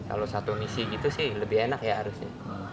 kalau satu misi gitu sih lebih enak ya harusnya